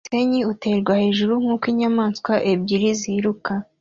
Umusenyi uterwa hejuru nkuko inyamaswa ebyiri ziruka